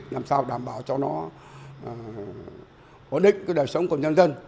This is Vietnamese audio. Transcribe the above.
làm sao đảm bảo cho nó ổn định cái đời sống của nhân dân